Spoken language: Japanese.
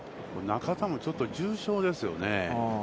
中田もちょっと重症ですよね。